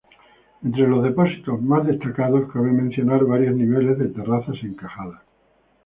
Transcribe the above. Entre los depósitos más destacados, cabe mencionar varios niveles de terrazas encajadas.